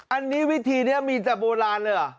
อันนี้วิธีนี้มีแต่โบราณเลยเหรอ